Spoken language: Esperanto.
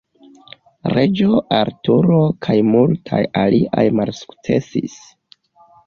Reĝo Arturo kaj multaj aliaj malsukcesis.